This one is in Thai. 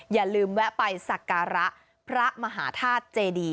อย่าลืมแวะไปสักการะพระมหาธาตุเจดี